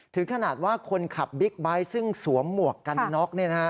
ถึงขนาดว่าคนขับบิ๊กไบท์ซึ่งสวมหมวกกันน็อก